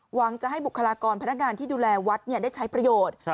หวังจะให้บุคลากรพนักงานที่ดูแลวัดได้ใช้ประโยชน์